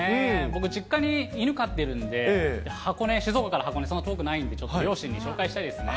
僕、実家に犬飼ってるんで、静岡から箱根、そんな遠くないんで、ちょっと両親に紹介したいですね。